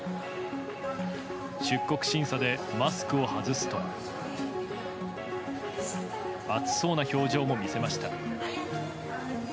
出国審査でマスクを外すと暑そうな表情も見せました。